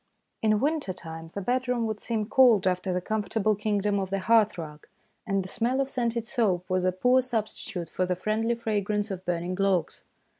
In winter time the bedroom would seem cold after the comfortable kingdom of the hearth rug, and the smell of scented soap was a poor substitute for the friendly fragrance of burning logs.